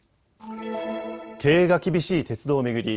経営が厳しい鉄道を巡り